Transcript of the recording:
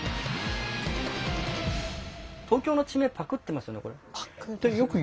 東京の地名パクってますよね？